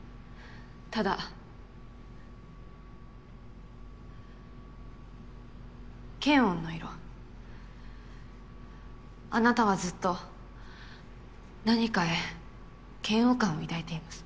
ただ「嫌悪」の色あなたはずっと何かへ嫌悪感を抱いています。